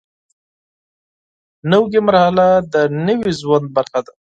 نوې مرحله د نوي ژوند برخه ده